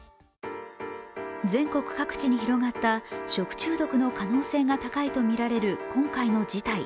全国各地に広がった食中毒の可能性が高いとみられる今回の事態。